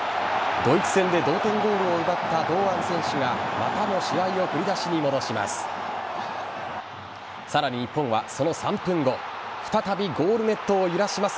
ドイツ戦で同点ゴールを奪った堂安選手がまたも試合を振り出しに戻します。